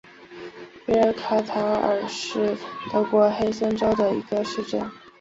贝尔卡塔尔是德国黑森州的一个市镇。